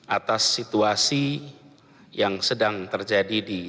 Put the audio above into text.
atas situasi yang sedang terjadi di